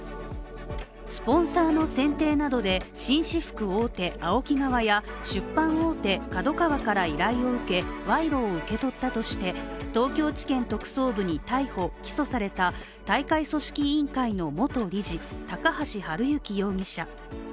スポンサーの選定などで紳士服大手・ＡＯＫＩ側や出版大手・ＫＡＤＯＫＡＷＡから依頼を受け賄賂を受け取ったとして東京地検特捜部に逮捕・起訴された大会組織委員会の元理事、高橋治之容疑者。